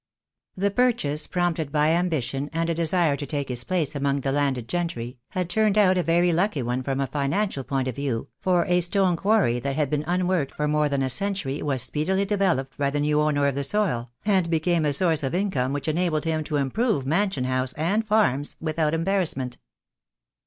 The purchase, prompted by ambition, and a desire to take his place among the landed gentry, had turned out a very lucky one from a financial point of view, for a stone quarry that had been unworked for more than a 8 THE DAY WILL COME. century was speedily developed by the new owner of the soil, and became a source of income which enabled him to improve mansion house and farms without embarrass ment.